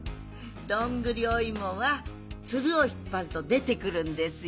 どんぐりおいもはツルをひっぱるとでてくるんですよ。